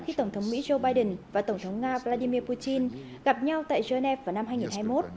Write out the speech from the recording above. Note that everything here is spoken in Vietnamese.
khi tổng thống mỹ joe biden và tổng thống nga vladimir putin gặp nhau tại geneva vào năm hai nghìn hai mươi một